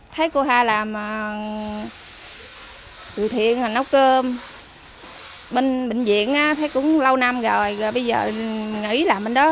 thấy cô hai làm từ thiện nấu cơm bệnh viện thấy cũng lâu năm rồi bây giờ nghỉ làm bên đó rồi